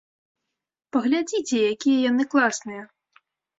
Паглядзіце, якія яны класныя!